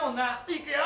いくよ！